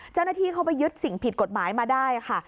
เจ้าหน้าที่เขาไปยึดสิ่งผิดกฎหมายมาได้ค่ะ